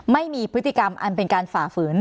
ไม่มีพฤติกรรมอันเป็นการฝ่าฝืน